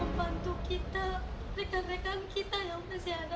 nau sih mamah ada anak anak